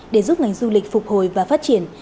để giúp ngành du lịch phục hồi và phát triển